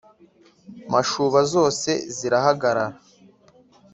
Mashuba zose zirahagarara,